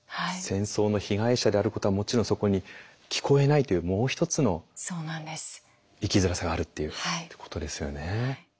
戦争の被害者であることはもちろんそこに聞こえないというもう一つの生きづらさがあるっていうことですよね。